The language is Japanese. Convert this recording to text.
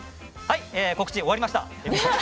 告知、終わりました。